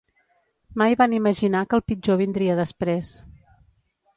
Mai van imaginar que el pitjor vindria després.